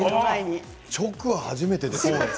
直は初めてです。